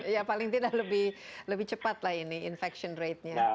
ya paling tidak lebih cepat lah ini infection ratenya